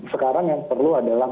sekarang yang perlu adalah